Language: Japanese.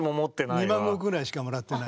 ２万石ぐらいしかもらってない。